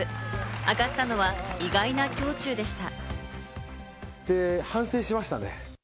明かしたのは意外な胸中でした。